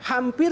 oke kang acep